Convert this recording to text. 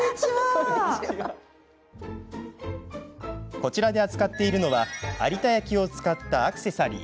こちらで扱っているのは有田焼を使ったアクセサリー。